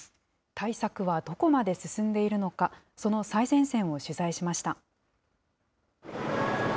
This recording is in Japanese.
対策はどこまで進んでいるのか、その最前線を取材しました。